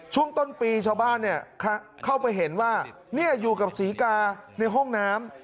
ช่วงต้นปีชาวบ้านเข้าไปเห็นว่าอยู่กับศรีกาในห้องน้ำ